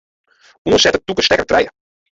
Oansette tûke stekker trije.